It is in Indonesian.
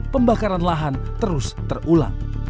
pembakaran lahan terus terulang